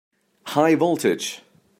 High voltage!